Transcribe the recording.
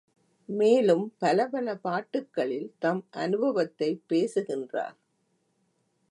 மேலும் பல பல பாட்டுக்களில் தம் அநுபவத்தைப் பேசுகின்றார்.